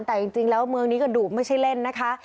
แต่จริงแล้วเมืองนี้ก็ดุไม่ใช่เล่นนะคะ